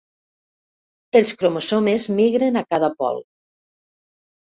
Els cromosomes migren a cada pol.